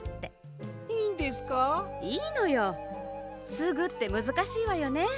「すぐ」ってむずかしいわよね。